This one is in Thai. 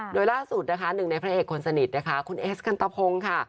โดยล่าสุดนะคะ๑ในพันธาเอกคนสนิทคุณเอสกัลตะพงค์ค่ะ